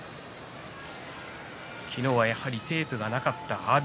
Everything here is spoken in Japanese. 昨日はテープがなかった阿炎